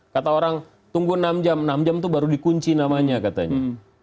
kata orang tunggu enam jam enam jam itu baru dikunci namanya katanya